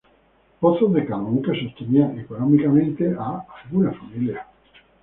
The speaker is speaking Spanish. Pozos de carbón que sostenían económicamente a alguna familia.